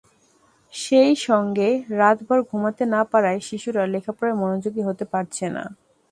সেই সঙ্গে রাতভর ঘুমাতে না পারায় শিশুরা লেখাপড়ায় মনোযোগী হতে পারছে না।